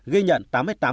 ghi nhận tám ca